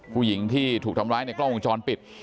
ผู้หญิงที่ถูกทำร้ายในกล้องวงจรปิด